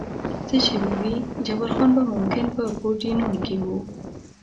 څه شوي وي، جبار خان به ممکن په پورډینون کې و.